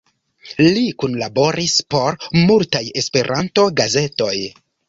Li kunlaboris por multaj Esperanto-gazetoj.